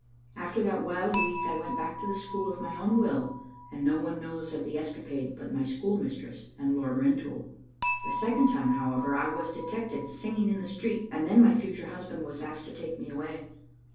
After that wild week I went back to the school of my own will, and no one knows of the escapade but my school mistress and Lord Rintoul. The second time, however, I was detected singing in the street, and then my fu ture husband was asked to take me away.